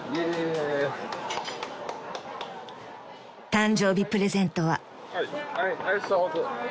［誕生日プレゼントは］